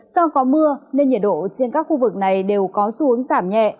do có mưa nên nhiệt độ trên các khu vực này đều có xu hướng giảm nhẹ